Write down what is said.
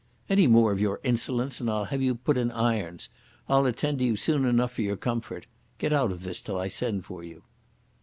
"Any more of your insolence and I'll have you put in irons. I'll attend to you soon enough for your comfort. Get out of this till I send for you."